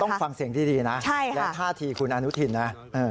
ต้องฟังเสียงดีนะและท่าทีคุณอนุทินนะ